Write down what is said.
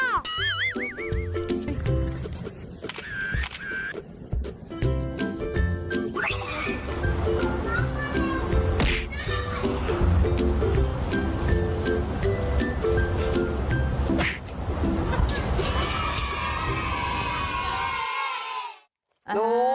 ลูกเอ็ดดู